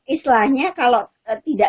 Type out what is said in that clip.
istilahnya kalau tidak